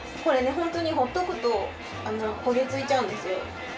これねホントにほっとくと焦げ付いちゃうんですよ。